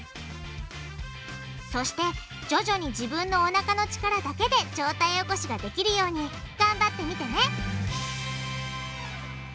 そして徐々に自分のおなかの力だけで上体起こしができるようにがんばってみてね！